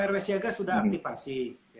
rw siaga sudah aktifasi